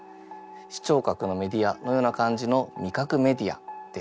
視聴覚のメディアのような感じの味覚メディアです。